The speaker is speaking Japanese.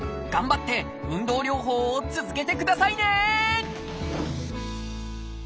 頑張って運動療法を続けてくださいね！